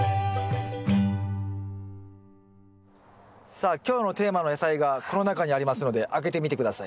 さあ今日のテーマの野菜がこの中にありますので開けてみて下さい。